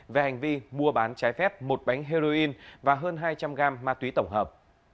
về hành vi mua bán trái phép một bánh heroin và hơn hai trăm linh gram ma túy tổng hợp